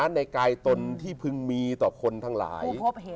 ในกายตนที่พึงมีต่อคนทั้งหลาย